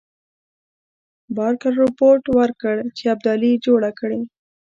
بارکر رپوټ ورکړ چې ابدالي جوړه کړې.